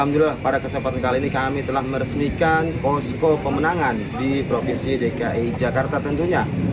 alhamdulillah pada kesempatan kali ini kami telah meresmikan posko pemenangan di provinsi dki jakarta tentunya